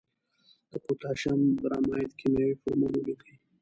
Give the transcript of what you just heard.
د پوتاشیم برماید کیمیاوي فورمول ولیکئ.